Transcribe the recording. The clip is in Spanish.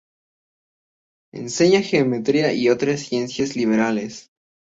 Enseña geometría y otras ciencias liberales.